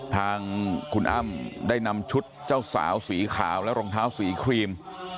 ทางคุณอ้ำได้นำชุดเจ้าสาวสีขาวและรองเท้าสีครีม